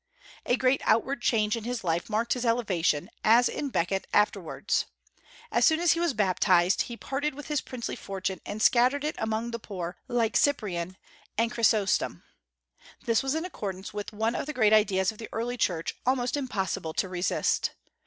A great outward change in his life marked his elevation, as in Becket afterwards. As soon as he was baptized, he parted with his princely fortune and scattered it among the poor, like Cyprian and Chrysostom. This was in accordance with one of the great ideas of the early Church, almost impossible to resist.